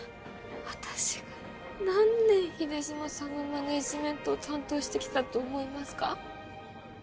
私が何年秀島さんのマネージメントを担当してきたと思いますか？